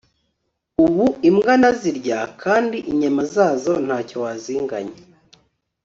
ubu imbwa ndazirya kandi inyama zazo ntacyo wazinganya